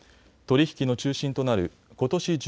取り引きの中心となることし